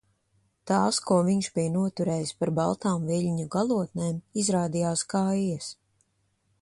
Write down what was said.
Tās, ko viņš bija noturējis par baltām viļņu galotnēm, izrādījās kaijas.